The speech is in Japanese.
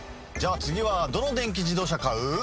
じゃ次はどの電気自動車買う？